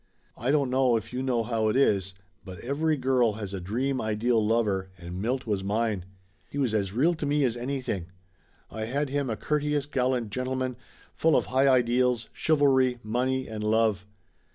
I don't know if you know how it is, but every girl 62 Laughter Limited has a dream ideal lover, and Milt was mine. He was as real to me as anything. I had him a courteous gallant gentleman, full of high ideals, chivalry, money and love.